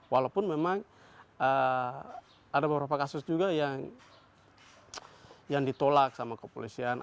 walaupun memang ada beberapa kasus juga yang ditolak sama kepolisian